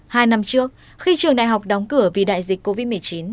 hai năm trước khi trường đại học đóng cửa vì đại dịch covid một mươi chín